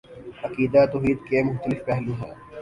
عقیدہ توحید کے مختلف پہلو ہیں